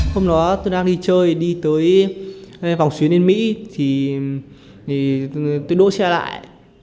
hôm đó tôi đang đi chơi đi tới vòng xuyến đến mỹ thì tôi đổ xe lại